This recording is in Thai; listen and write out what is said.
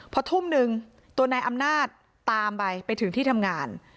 พอทุ่มหนึ่งตัวนายอำนาจตามไปไปถึงที่ทำงาน